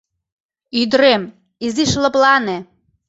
Ӱдырем, изиш лыплане